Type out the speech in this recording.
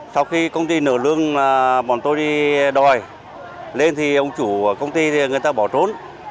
sau khi công ty nửa lương bọn tôi đi đòi lên thì ông chủ công ty thì người ta bỏ trốn